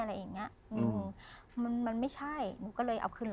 หนึ่งมันไม่ใช่ก็เลยเอาขึ้นรถ